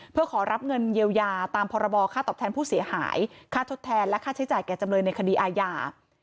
เพื่อขอรับเงินเยียวยาตามพรบค่าตอบแทนผู้เสียหายค่าทดแทนและค่าใช้จ่ายแก่จำเลยในคดีอาญา